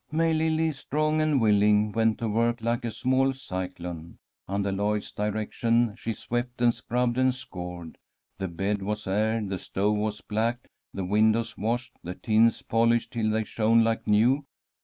May Lily, strong and willing, went to work like a small cyclone. Under Lloyd's direction, she swept and scrubbed and scoured. The bed was aired, the stove was blacked, the windows washed, the tins polished till they shone like new.